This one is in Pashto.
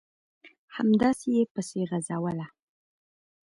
همداسې یې پسې غځوله ...